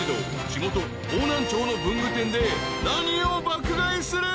地元方南町の文具店で何を爆買いする？］